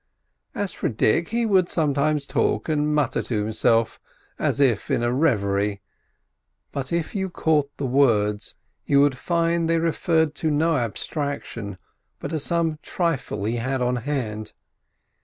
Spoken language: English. As for Dick, he would sometimes talk and mutter to himself, as if in a reverie; but if you caught the words, you would find that they referred to no abstraction, but to some trifle he had on hand.